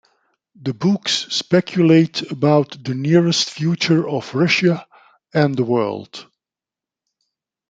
The books speculate about the nearest future of Russia and the world.